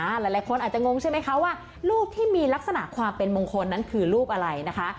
หลายคนอาจจะงงใช่ไหมคะว่ารูปที่มีลักษณะความเป็นมงคลนั้นคือรูปอะไรนะคะ